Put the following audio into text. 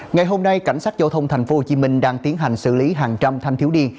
ngày hôm nay cảnh sát giao thông tp hcm đang tiến hành xử lý hàng trăm thanh thiếu niên